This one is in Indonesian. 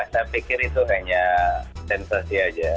saya pikir itu hanya sensasi aja